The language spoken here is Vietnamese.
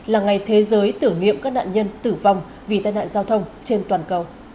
là ngày thế giới tử niệm các nạn nhân tử vong vì tai nạn giao thông trên toàn cầu